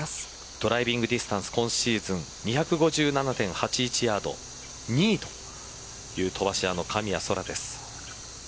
ドライビングディスタンスは今シーズン２位という飛ばし屋の神谷そらです。